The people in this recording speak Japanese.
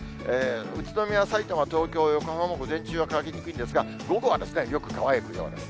宇都宮、さいたま、東京、横浜も午前中は乾きにくいんですが、午後はよく乾くようです。